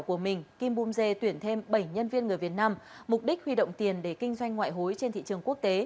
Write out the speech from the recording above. của mình kim bum dê tuyển thêm bảy nhân viên người việt nam mục đích huy động tiền để kinh doanh ngoại hối trên thị trường quốc tế